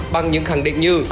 bằng những khẳng định như